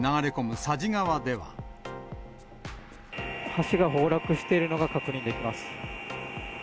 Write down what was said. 橋が崩落しているのが確認できます。